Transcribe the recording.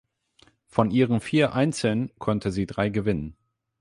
Von ihren vier Einzeln konnte sie drei gewinnen.